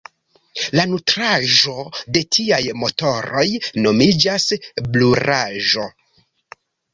La nutraĵo de tiaj motoroj nomiĝas "brulaĵo".